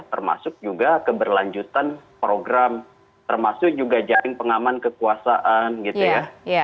termasuk juga keberlanjutan program termasuk juga jaring pengaman kekuasaan gitu ya